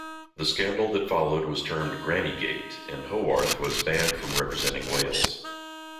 The scandal that followed was termed "grannygate" and Howarth was banned from representing Wales.